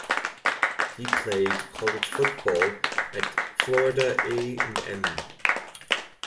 He played college football at Florida A and M.